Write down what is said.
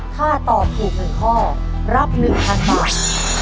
ถ้าตอบถูก๑ข้อรับ๑๐๐๐บาท